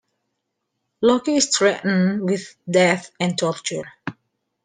Loki is threatened with death and torture.